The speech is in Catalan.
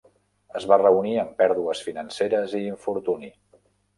Es va reunir amb pèrdues financeres i infortuni.